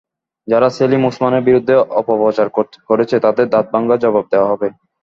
যারা সেলিম ওসমানের বিরুদ্ধে অপপ্রচার করছে, তাদের দাঁতভাঙা জবাব দেওয়া হবে।